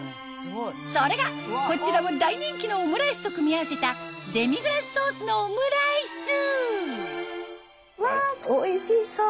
それがこちらも大人気のオムライスと組み合わせたデミグラスソースのオムライスうわおいしそう！